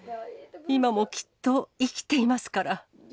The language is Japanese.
今もきっと生きていますから。